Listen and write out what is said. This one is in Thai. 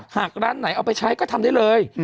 หากร้านไหนเอาไปใช้ก็ทำได้เลย